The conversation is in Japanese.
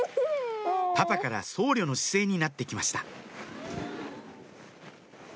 パパから僧侶の姿勢になって来ました